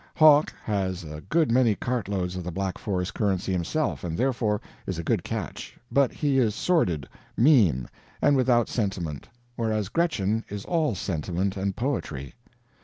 Hoch has a good many cart loads of the Black Forest currency himself, and therefore is a good catch; but he is sordid, mean, and without sentiment, whereas Gretchen is all sentiment and poetry.